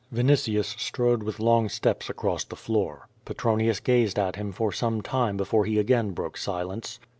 Vinitius strode with long steps across the floor. Petronius gazed at him for some time before he again broke silence.